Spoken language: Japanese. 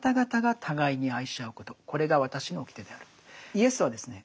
イエスはですね